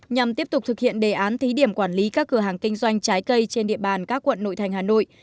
nhằm tiếp tục thực hiện đề án thí điểm quản lý các cửa hàng kinh doanh trái cây trên địa bàn các quận nội thành hà nội